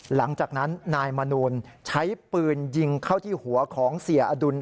หลังจากนั้นนายมนูลใช้ปืนยิงเข้าที่หัวของเสียอดุล